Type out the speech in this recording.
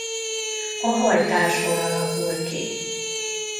A hajtásból alakul ki.